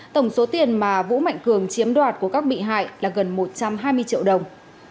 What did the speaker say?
tổng số tiền mà vũ mạnh cường chiếm đoạt của các bị hại là gần một trăm hai mươi triệu đồng